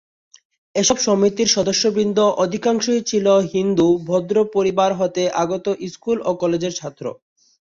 এসব সমিতির সদস্যবৃন্দ অধিকাংশই ছিল হিন্দু ভদ্র পরিবার হতে আগত স্কুল ও কলেজের ছাত্র।